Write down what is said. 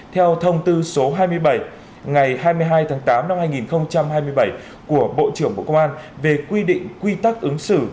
theo thông tư số hai mươi bảy ngày hai mươi hai tháng tám năm hai nghìn hai mươi bảy của bộ trưởng bộ công an về quy định quy tắc ứng xử